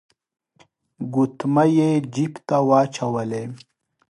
ګوتمۍ يې جيب ته واچولې.